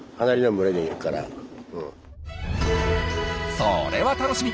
それは楽しみ。